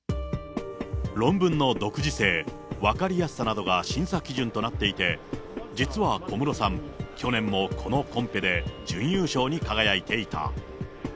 論文の独自性、分かりやすさなどが審査基準となっていて、実は小室さん、去年もこのコンペで準優勝に輝いていた。